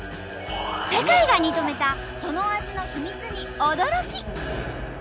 世界が認めたその味の秘密に驚き！